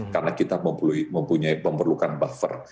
karena kita mempunyai pemberlukan buffer